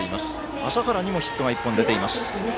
麻原にもヒットが１本出ています。